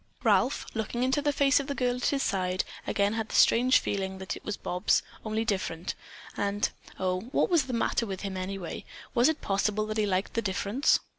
Ralph, looking into the face of the girl at his side, again had the strange feeling that it was Bobs, only different, and Oh, what was the matter with him, anyway? Was it possible that he liked the difference?